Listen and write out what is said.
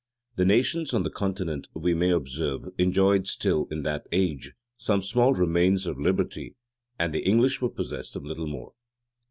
[] The nations on the continent, we may observe, enjoyed still, in that age, some small remains of liberty; and the English were possessed of little more.